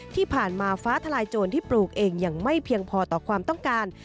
ที่ผ่านมาฟ้าทลายโจรที่ปลูกเองยังไม่เพียงพอต่อความต้องการ